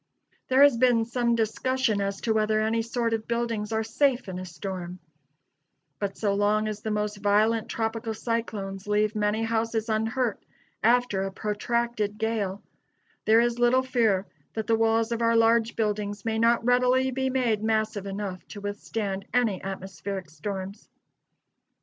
There has been some discussion as to whether any sort of buildings are safe in a storm: but so long as the most violent tropical cyclones leave many houses unhurt after a protracted gale, there is little fear that the walls of our large buildings may not readily be made massive enough to withstand any atmospheric storms.